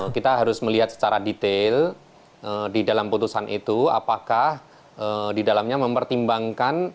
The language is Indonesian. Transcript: kita harus melihat secara detail di dalam putusan itu apakah di dalamnya mempertimbangkan